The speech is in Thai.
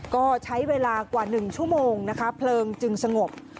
ก็ใช้เวลากว่า๑ชั่วโมงนะคะเพลิงจึงสงบ